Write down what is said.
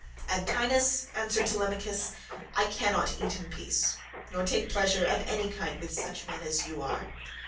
"Antinous," answered Telemachus, "I cannot eat in peace, nor take pleasure of any kind with such men as you are.